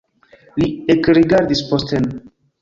Li ekrigardis posten.